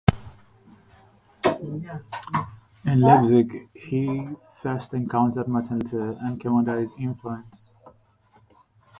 In Leipzig he first encountered Martin Luther and came under his influence.